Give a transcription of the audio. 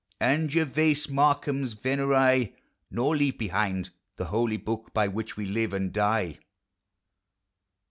And Oervase Markham's venerie. — Nor leave behind The Holy Book by which we live and die.